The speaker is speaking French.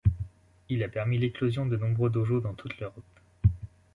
Il a permis l'éclosion de nombreux dojos dans toute l'Europe.